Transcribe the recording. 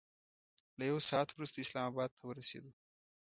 له یو ساعت وروسته اسلام اباد ته ورسېدو.